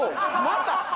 また。